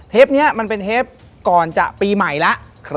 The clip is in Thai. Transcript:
เทปนี้ก่อนจะเป็นกลางปีใหม่แล้ว